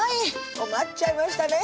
困っちゃいましたね